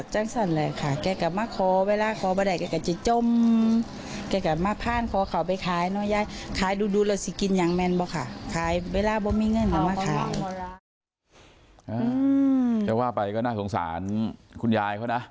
จะว่าไปก็น่าสงสารคุณยายนะ